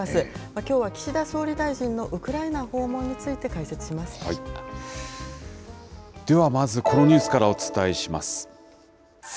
きょうは岸田総理大臣のウクライではまず、このニュースからお伝えします。